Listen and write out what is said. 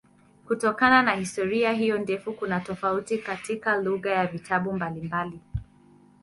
Kutokana na historia hiyo ndefu kuna tofauti katika lugha ya vitabu mbalimbali.